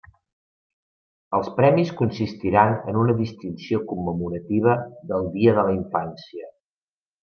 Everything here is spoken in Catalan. Els premis consistiran en una distinció commemorativa del Dia de la Infància.